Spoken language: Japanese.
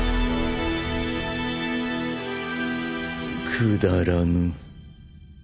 くだらぬ。